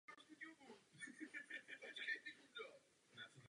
Domnívám se však, že máme velkou příležitost.